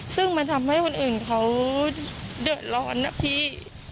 ซึ่งมันทำให้คนอื่นเขาเดือดร้อนนะพี่